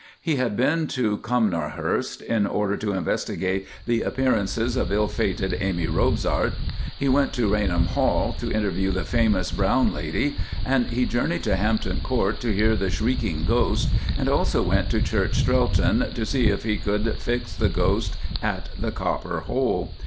He had been to Cumnor Hurst in order to investigate the appearances of ill fated Amy Robsart. He went to Rainham Hall to interview the famous Brown Lady, and he journeyed to Hampton Court to hear the Shrieking Ghost, and also went to Church Strelton to see if he could fix the ghost at the Copper Hole.